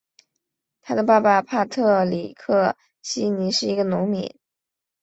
他的爸爸帕特里克希尼是一个农民。